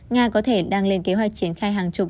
nga có thể đang lên kế hoạch triển khai hàng chục